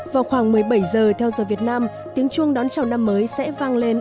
vào khoảng một mươi bảy giờ theo giờ việt nam tiếng chuông đón chào năm mới sẽ vang lên